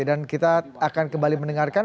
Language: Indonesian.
dan kita akan kembali mendengarkan